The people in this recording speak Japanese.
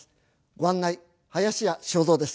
ご案内林家正蔵です。